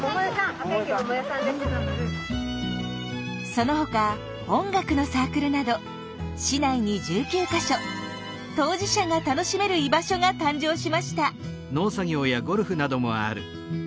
そのほか音楽のサークルなど市内に１９か所当事者が楽しめる居場所が誕生しました。